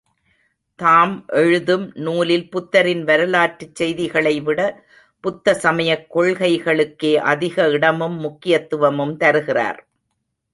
தாம் எழுதும் நூலில் புத்தரின் வரலாற்றுச் செய்திகளைவிட புத்த சமயக் கொள்கைகளுக்கே அதிக இடமும் முக்கியத்துவமும் தருகிறார்.